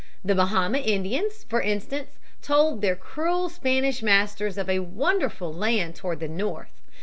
The Bahama Indians, for instance, told their cruel Spanish masters of a wonderful land toward the north.